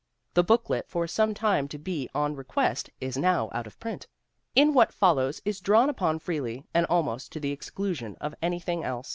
The booklet, for some time to be had on request, is now out of print. In what fol lows it is drawn upon freely and almost to the ex clusion of anything else.